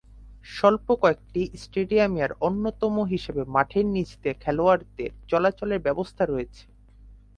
স্বল্প কয়েকটি স্টেডিয়ামের অন্যতম হিসেবে মাঠের নীচ দিয়ে খেলোয়াড়দের চলাচলের ব্যবস্থা রয়েছে।